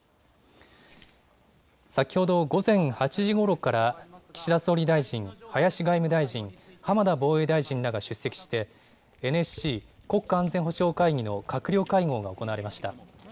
先ほど午前８時ごろから岸田総理大臣、林外務大臣、浜田防衛大臣らが出席してＮＳＣ・国家安全保障会議の閣僚会合が行われました。